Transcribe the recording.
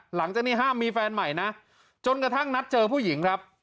หลังจากนี้ห้ามมีแฟนใหม่นะจนกระทั่งนัดเจอผู้หญิงครับ